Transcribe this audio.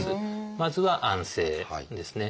まずは「安静」ですね。